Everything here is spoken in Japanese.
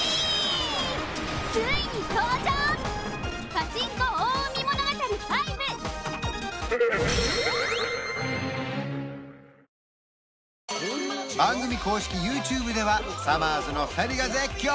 片手厳しい番組公式ＹｏｕＴｕｂｅではさまぁずの２人が絶叫！